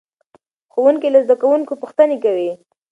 ښوونکی له زده کوونکو پوښتنې کوي.